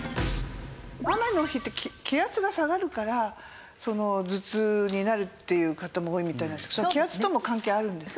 雨の日って気圧が下がるから頭痛になるっていう方も多いみたいなんですけど気圧とも関係あるんですか？